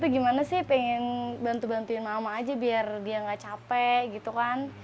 gimana sih pengen bantu bantuin mama aja biar dia gak capek gitu kan